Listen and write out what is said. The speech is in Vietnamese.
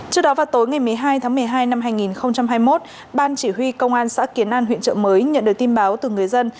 trước đó vào tối ngày một mươi hai tháng một mươi hai năm hai nghìn hai mươi một ban chỉ huy công an xã kiến an huyện trợ mới nhận được tin báo từ người dân